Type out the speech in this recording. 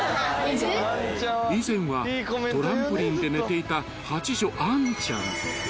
［以前はトランポリンで寝ていた八女アンちゃん］